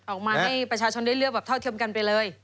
ออกมาให้ประชาชนได้เลือกแบบเท่าเทียมกันไปเลย